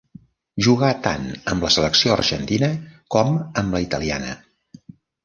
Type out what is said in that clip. Jugà tant amb la selecció argentina com amb la italiana.